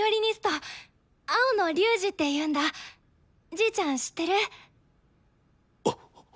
じいちゃん知ってる？